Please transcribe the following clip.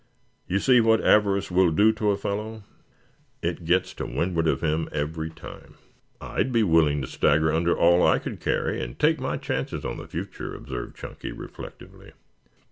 You see what avarice will do to a fellow. It gets to windward of him every time." "I'd be willing to stagger under all I could carry and take my chances on the future," observed Chunky reflectively.